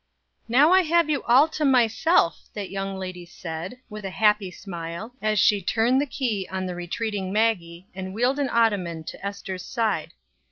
"Now I have you all to myself," that young lady said, with a happy smile, as she turned the key on the retreating Maggie and wheeled an ottoman to Ester's side.